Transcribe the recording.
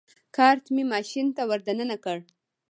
کارټ مې ماشین ته ور دننه کړ.